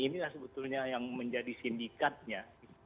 inilah sebetulnya yang menjadi sindikatnya